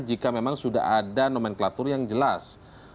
jika memang sudah ada nomenklatur yang jelas